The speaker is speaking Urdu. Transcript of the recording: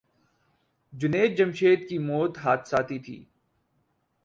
جنید جمشید کی موت حادثاتی تھی۔